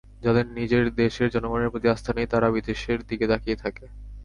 যাদের নিজের দেশের জনগণের প্রতি আস্থা নেই, তারা বিদেশের দিকে তাকিয়ে থাকে।